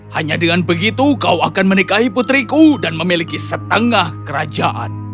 hanya dengan begitu kau akan menikahi putriku dan memiliki setengah kerajaan